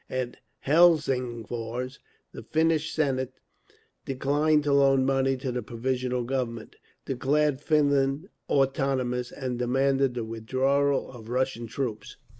At Helsingfors the Finnish Senate declined to loan money to the Provisional Government, declared Finland autonomous, and demanded the withdrawal of Russian troops.